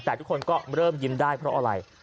แต่ทุกคนก็เริ่มยิ้มได้เพราะอะไร